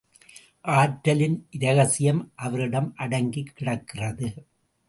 ஆற்றலின் இரகசியம் அவரிடம் அடங்கிக்கிடக்கிறது.